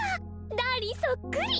ダーリンそっくり。